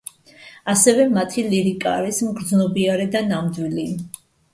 ასევე მათი ლირიკა არის მგრძნობიარე და ნამდვილი.